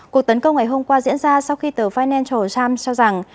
cuộc tấn công ngày hôm qua diễn ra sau khi tờ financial times cho rằng